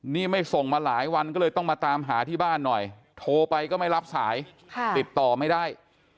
นี่ไม่ส่งมาหลายวันก็เลยต้องมาตามหาที่บ้านหน่อยโทรไปก็ไม่รับสายติดต่อไม่ได้